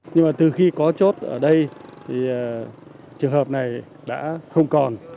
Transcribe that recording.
nhưng mà từ khi có chốt ở đây thì trường hợp này đã không còn